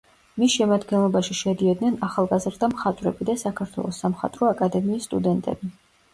მის შემადგენლობაში შედიოდნენ ახალგაზრდა მხატვრები და საქართველოს სამხატვრო აკადემიის სტუდენტები.